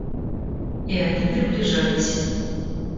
И они приближались.